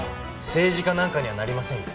政治家なんかにはなりません。